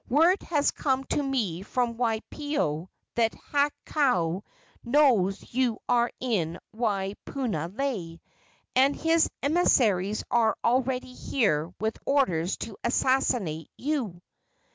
Word has come to me from Waipio that Hakau knows you are in Waipunalei, and his emissaries are already here with orders to assassinate you."